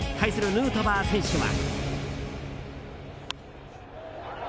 ヌートバー選手は。